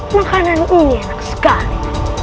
makanan ini enak sekali